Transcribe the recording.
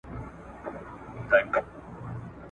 د پلار دکورنۍ په نامه نه اخستی